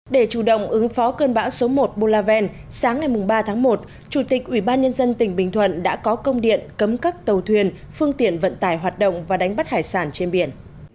để chủ động ứng phó cơn bão số một bulaven sáng ngày ba tháng một chủ tịch ubnd tỉnh bình thuận đã có công điện cấm cắt tàu thuyền phương tiện vận tải hoạt động và đánh bắt hải sản trên biển